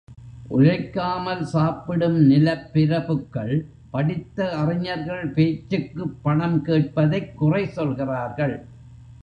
உழைக்காமல் சாப்பிடும் நிலப்பிரபுக்கள், படித்த அறிஞர்கள், பேச்சுக்குப் பணம் கேட்பதைக் குறை சொல்கிறார்கள்.